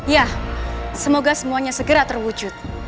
ya semoga semuanya segera terwujud